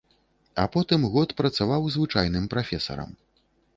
А потым год працаваў звычайным прафесарам.